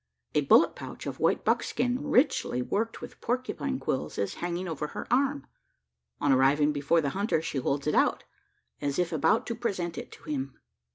A bullet pouch of white buckskin, richly worked with porcupine quills, is hanging over her arm. On arriving before the hunter she holds it out, as if about to present it to him.